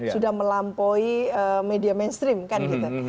sudah melampaui media mainstream kan gitu